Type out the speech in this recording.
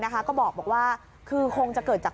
ก็บอกว่าคือคงจะเกิดจาก